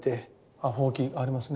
あっほうきありますね。